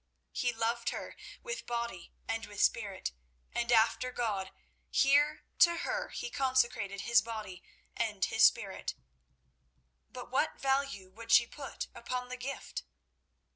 He loved her with body and with spirit, and, after God, here to her he consecrated his body and his spirit. But what value would she put upon the gift?